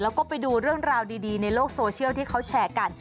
แล้วก็ไปดูเรื่องราวดีในโลกโซเชียลที่เขาแชร์กัน